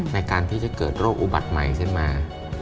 ในการที่จะเกิดโรคอุบัติใหม่ขึ้นมา